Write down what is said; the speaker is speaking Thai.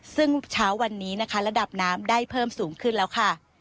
ซึ่งเช้าวันนี้นะคะระดับน้ำได้เพิ่มสูงขึ้นแล้วค่ะ